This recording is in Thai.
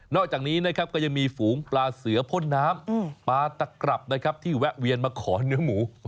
นอกจากนี้นะครับก็จะมีฝูงปลาเสือพ่นน้ำปาตรัปที่แวะเวียนมาขอเนื้อหมู